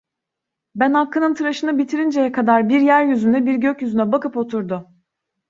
Ben Hakkı'nın tıraşını bitirinceye kadar bir yeryüzüne, bir gökyüzüne bakıp oturdu.